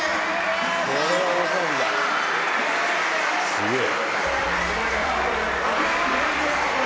すげえ。